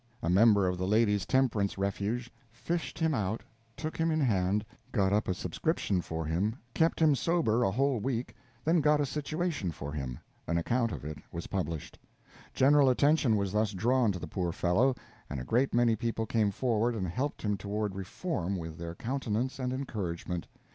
A member of the Ladies' Temperance Refuge fished him out, took him in hand, got up a subscription for him, kept him sober a whole week, then got a situation for him. An account of it was published. General attention was thus drawn to the poor fellow, and a great many people came forward and helped him toward reform with their countenance and encouragement.